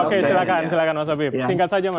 oke silahkan silahkan mas habib singkat saja mas